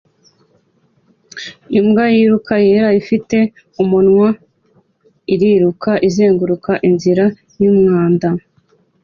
Imbwa yiruka yera ifite umunwa iriruka izenguruka inzira yumwanda